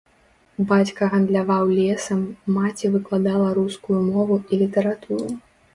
Бацька гандляваў лесам, маці выкладала рускую мову і літаратуру.